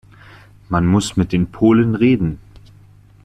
Man muss mit den Polen reden.